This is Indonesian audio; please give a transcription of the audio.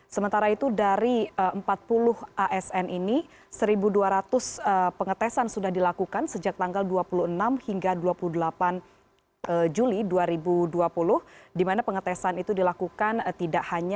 sementara itu dari empat puluh asn ini satu dua ratus pengetesan sudah dilakukan sejak tanggal dua puluh enam hingga dua puluh delapan juli dua ribu dua puluh di mana pengetesan itu dilakukan tidak hanya